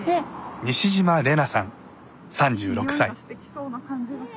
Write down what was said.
西島玲那さん３６歳。